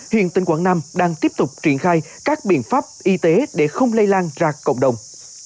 hiện tỉnh quảng nam đang tiếp tục triển khai các biện pháp y tế để không lây lan ra cộng đồng